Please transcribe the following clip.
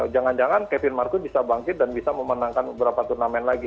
jangan jangan kevin marcu bisa bangkit dan bisa memenangkan beberapa turnamen lagi